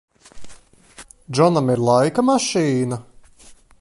Džonam ir laika mašīna?